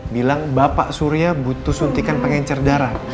bilang bapak surya butuh suntikan pengencer darah